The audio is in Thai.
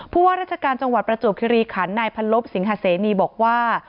ว่าราชการจังหวัดประจวบคิริขันนายพันลบสิงหาเสนีบอกว่า